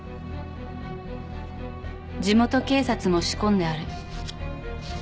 地元警察も仕込んである。